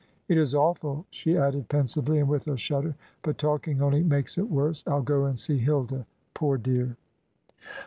It is awful," she added pensively, and with a shudder; "but talking only makes it worse. I'll go and see Hilda, poor dear."